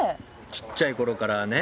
ちっちゃい頃からね